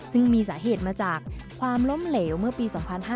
ซึ่งมีสาเหตุมาจากความล้มเหลวเมื่อปี๒๕๕๙